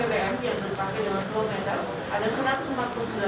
selain itu kami juga menambahkan kemampuan untuk memastikan pasokan bbm hingga ke konsumen